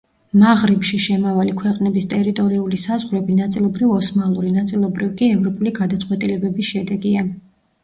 მაღრიბში შემავალი ქვეყნების ტერიტორიული საზღვრები ნაწილობრივ ოსმალური, ნაწილობრივ კი ევროპული გადაწყვეტილებების შედეგია.